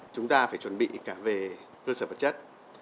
chúng ta phải chuẩn bị cả về cơ sở vật chất